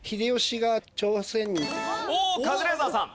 おっカズレーザーさん。